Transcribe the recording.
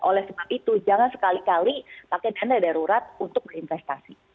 oleh sebab itu jangan sekali kali pakai dana darurat untuk berinvestasi